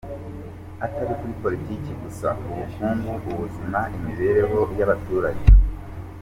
Atari kuri politike gusa, ubukungu, ubuzima, imibereho y’abaturage.